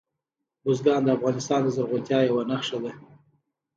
بزګان د افغانستان د زرغونتیا یوه نښه ده.